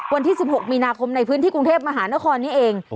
วันที่๑๖มีนาคมในพื้นที่กรุงเทพมหานครนี้เอง